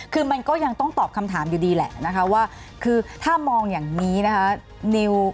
คือมันก็ยังต้องตอบคำถามอยู่ดีแหละนะคะว่าคือถ้ามองอย่างนี้นะคะ